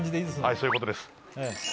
そういうことです。